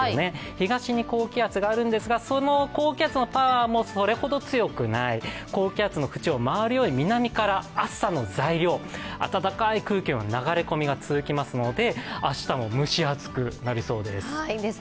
東に高気圧があるんですが高気圧のパワーもそれほど強くない、高気圧の縁を回るように南から暑さの材料、暖かい空気の流れ込みが続きますので明日も蒸し暑くなりそうです。